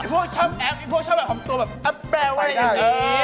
พวกชอบแอปพวกชอบของตัวแบบแปลว่ายังงี้